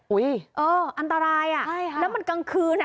เอออันตรายอ่ะใช่ค่ะแล้วมันกลางคืนอ่ะ